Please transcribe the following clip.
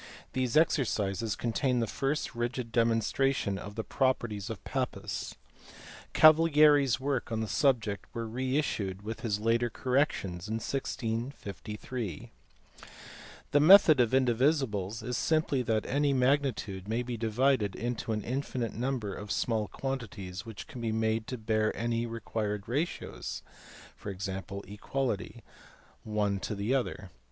These exercises contain the first rigid demonstration of the properties of Pappus (see above, pp. 101, 254). Cavalieri s works on the subject were reissued with his later corrections in 1653. The method of indivisibles is simply that any magnitude may be divided into an infinite number of small quantities which can be made to bear any required ratios (e.g. equality) one to the other.